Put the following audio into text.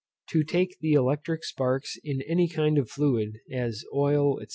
To take the electric sparks in any kind of fluid, as oil, &c.